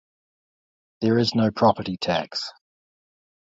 There is no property tax.